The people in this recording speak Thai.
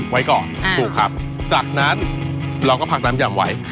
ไว้ก่อนถูกครับจากนั้นเราก็พักน้ำยำไว้